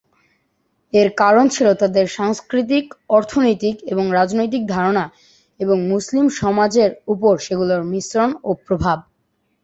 এর কারণ ছিল তাদের সাংস্কৃতিক, অর্থনৈতিক এবং রাজনৈতিক ধারণা এবং মুসলিম সমাজের উপর সেগুলোর মিশ্রণ ও প্রভাব।